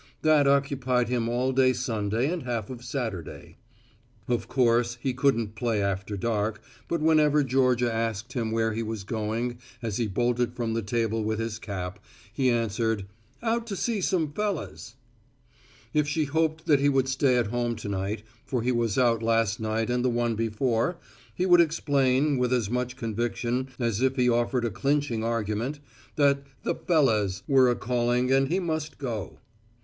That occupied him all day Sunday and half of Saturday. Of course he couldn't play after dark, but whenever Georgia asked him where he was going as he bolted from the table with his cap, he answered, "Out to see some fellahs." If she hoped that he would stay at home to night, for he was out last night and the one before, he would explain, with as much conviction as if he offered a clinching argument, that "the fellahs" were a calling and he must go.